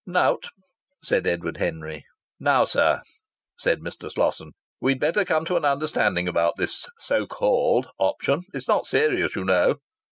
"Nowt!" said Edward Henry. "Now, sir," said Mr. Slosson, "we'd better come to an understanding about this so called option. It's not serious, you know."